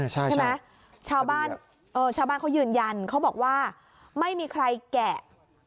ใช่ไหมชาวบ้านชาวบ้านเขายืนยันเขาบอกว่าไม่มีใครแกะ